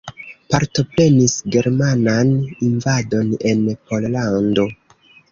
Partoprenis germanan invadon en Pollando.